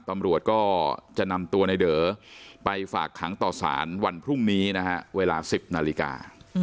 ตำรวจก็จะนำตัวในเด๋อไปฝากขังต่อสารวันพรุ่งนี้นะฮะเวลา๑๐นาฬิกา